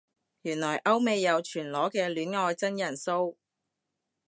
原來歐美有全裸嘅戀愛真人騷